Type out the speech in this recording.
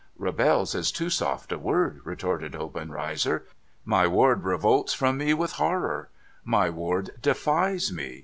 * Rebels is too soft a word,' retorted Obenreizer. ' My ward revolts from me with horror. My ward defies me.